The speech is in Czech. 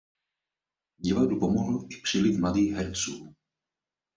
Divadlu pomohl i příliv mladých herců.